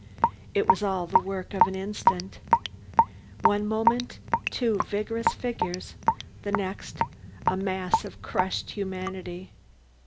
It was all the work of an instant. One moment two vigorous figures the next, a mass of crushed humanity!